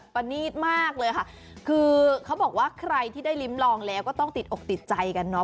ประนีตมากเลยค่ะคือเขาบอกว่าใครที่ได้ลิ้มลองแล้วก็ต้องติดอกติดใจกันเนาะ